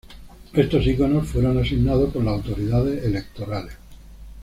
Estos iconos fueron asignados por las autoridades electorales.